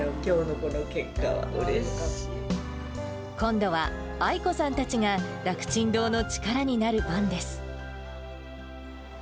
今度は、アイコさんたちが、楽ちん堂の力になる番です。